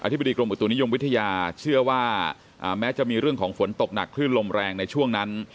ธิบดีกรมอุตุนิยมวิทยาเชื่อว่าแม้จะมีเรื่องของฝนตกหนักคลื่นลมแรงในช่วงนั้น